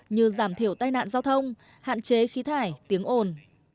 như giảm thiểu tai nạn giao thông hạn chế khí thải tiếng ồn